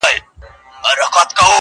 وران خو وراني كيسې نه كوي